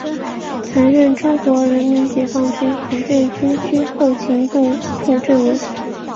曾任中国人民解放军福建军区后勤部副政委。